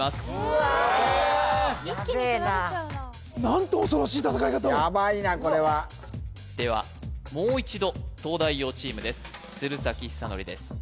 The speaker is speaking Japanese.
やべえな・一気にとられちゃうな何と恐ろしい戦い方をやばいなこれはではもう一度東大王チームです鶴崎修功です